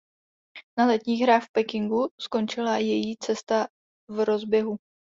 Na letních hrách v Pekingu skončila její cesta v rozběhu.